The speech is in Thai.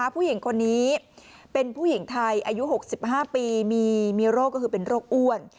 ผู้หญิงคนนี้เป็นผู้หญิงไทยอายุ๖๕ปีมีโรคก็คือเป็นโรคอ้วน